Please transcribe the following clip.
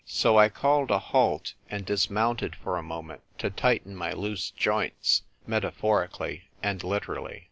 So I called a halt, and dis mounted for a moment to tighten my loose joints, metaphorically and literally.